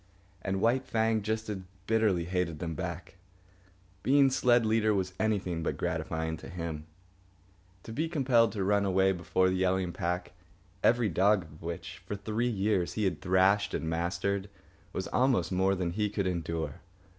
And White Fang just as bitterly hated them back. Being sled leader was anything but gratifying to him. To be compelled to run away before the yelling pack, every dog of which, for three years, he had thrashed and mastered, was almost more than he could endure.